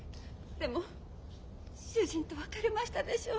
でも主人と別れましたでしょ。